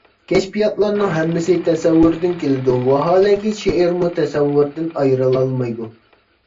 كەشپىياتلارنىڭ ھەممىسى تەسەۋۋۇردىن كېلىدۇ، ۋاھالەنكى، شېئىرمۇ تەسەۋۋۇردىن ئايرىلالمايدۇ.